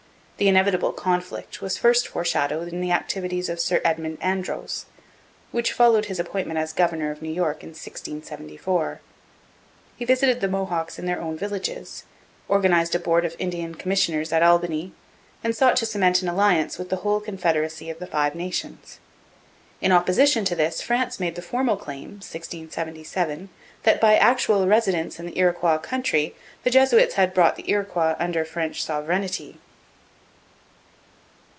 The inevitable conflict was first foreshadowed in the activities of Sir Edmund Andros, which followed his appointment as governor of New York in 1674. He visited the Mohawks in their own villages, organized a board of Indian commissioners at Albany, and sought to cement an alliance with the whole confederacy of the Five Nations. In opposition to this France made the formal claim (1677) that by actual residence in the Iroquois country the Jesuits had brought the Iroquois under French sovereignty.